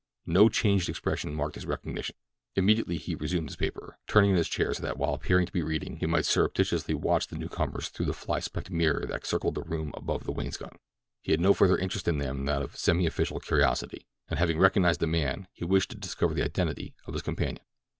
No changed expression marked his recognition. Immediately he resumed his paper, turning in his chair so that while appearing to be reading he might surreptitiously watch the newcomers through the fly specked mirror that circled the room above the wainscot. He had no further interest in them than that of semiofficial curiosity, and having recognized the man, he wished to discover the identity of his companion.